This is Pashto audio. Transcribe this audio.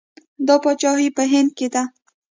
دا پاچاهي په هند کې ده.